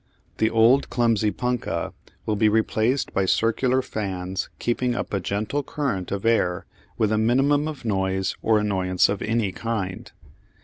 The old clumsy punkah will be replaced by circular fans keeping up a gentle current of air with a minimum of noise or annoyance of any kind.